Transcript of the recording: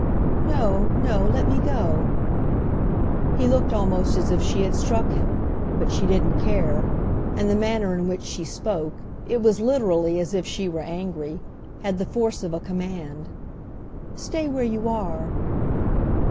"No, no; let me go." He looked almost as if she had struck him, but she didn't care; and the manner in which she spoke—it was literally as if she were angry—had the force of a command. "Stay where you are!"